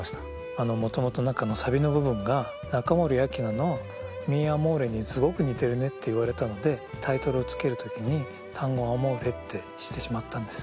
あのもともと中のサビの部分が中森明菜の『ミ・アモーレ』にすごく似てるねって言われたのでタイトルをつけるときに『タンゴ・アモーレ』ってしてしまったんです。